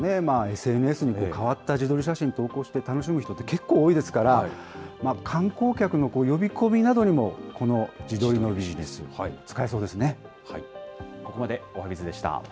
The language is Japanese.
ＳＮＳに変わった自撮り写真を投稿して、楽しむ人って結構多いですから、観光客の呼び込みなどにもこの自撮りのビジネス、使えそうですね。